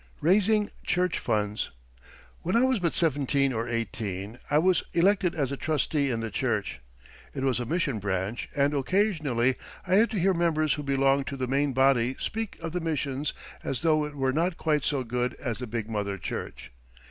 RAISING CHURCH FUNDS When I was but seventeen or eighteen I was elected as a trustee in the church. It was a mission branch, and occasionally I had to hear members who belonged to the main body speak of the mission as though it were not quite so good as the big mother church.